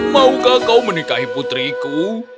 maukah kau menikahi putriku